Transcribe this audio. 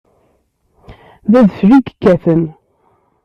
D adfel i yekkaten.